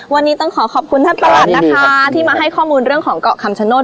วันนี้ต้องขอขอบคุณท่านประหลัดนะคะที่มาให้ข้อมูลเรื่องของเกาะคำชโนธ